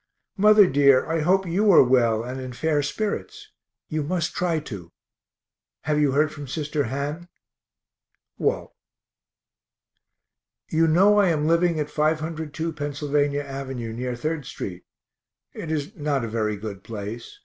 Mother dear, I hope you are well and in fair spirits you must try to. Have you heard from sister Han? WALT. You know I am living at 502 Pennsylvania av. (near 3d st.) it is not a very good place.